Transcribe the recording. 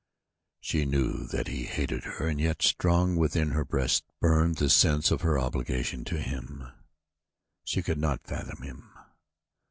She knew that he hated her and yet strong within her breast burned the sense of her obligation to him. She could not fathom him.